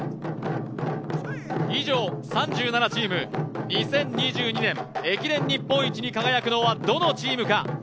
以上３７チーム、２０２２年駅伝日本一に輝くのはどのチームか。